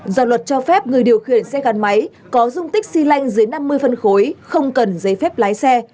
do luật cho phép người điều khiển xe gắn máy có dung tích xy lanh dưới năm mươi phân khối không cần giấy phép lái xe